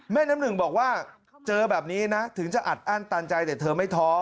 น้ำหนึ่งบอกว่าเจอแบบนี้นะถึงจะอัดอั้นตันใจแต่เธอไม่ท้อ